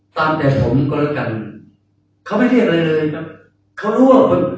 ตั้งแต่ผมก็เลิกกันเขาไม่เรียกอะไรเลยครับ